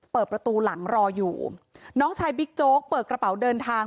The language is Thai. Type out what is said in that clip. เปิดประตูหลังรออยู่น้องชายบิ๊กโจ๊กเปิดกระเป๋าเดินทาง